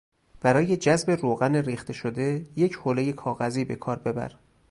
برای جذب روغن ریخته شده یک حولهی کاغذی به کار ببر.